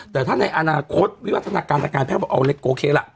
แต่ถ้าในอนาคตวิวัฒนาการแพทย์บอกว่าโอเคล่ะ